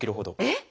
えっ！